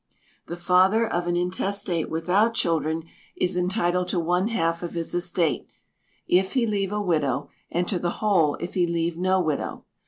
The father of an intestate without children is entitled to one half of his estate, if he leave a widow, and to the whole if he leave no widow.